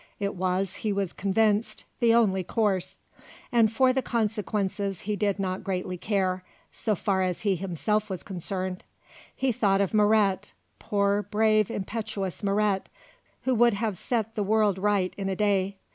It was, he was convinced, the only course; and for the consequences he did not greatly care, so far as he himself was concerned. He thought of Moret, poor, brave, impetuous Moret, who would have set the world right in a day.